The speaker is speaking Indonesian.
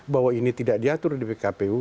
bahwa ini tidak diatur di pkpu